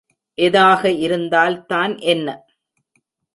எதாக இருந்தால் தான் என்ன!